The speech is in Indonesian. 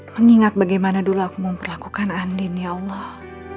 mengingat bagaimana dulu aku memperlakukan andina allah